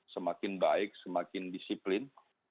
semakin baik semakin disiplin